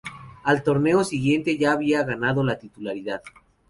Al torneo siguiente ya había ganado la titularidad.